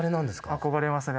憧れますね。